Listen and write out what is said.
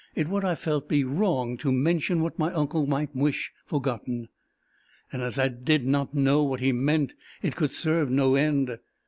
It would, I felt, be wrong to mention what my uncle might wish forgotten; and as I did not know what he meant, it could serve no end.